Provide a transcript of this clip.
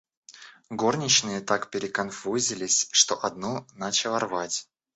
Горничные так переконфузились, что одну начало рвать.